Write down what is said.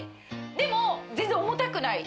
でも全然重たくない。